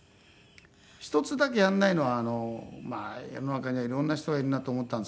１つだけやんないのはまあ世の中には色んな人がいるなと思ったんですけど。